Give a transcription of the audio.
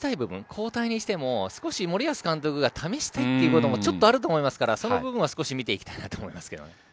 交代にしても、少し森保監督が試したいところもちょっとあると思いますからその部分は少し見ていきたいなと思います。